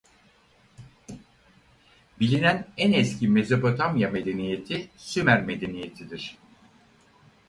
Bilinen en eski Mezopotamya medeniyeti Sümer medeniyetidir.